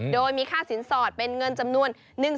โดยมีค่าสินสอดเป็นเงินจำนวน